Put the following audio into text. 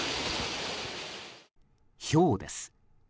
ひょうです。